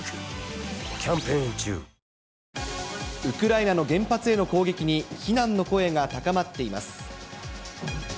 ウクライナの原発への攻撃に非難の声が高まっています。